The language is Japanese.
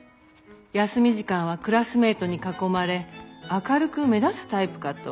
休み時間はクラスメートに囲まれ明るく目立つタイプかと。